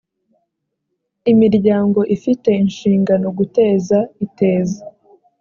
imiryango ifite inshingano guteza iteza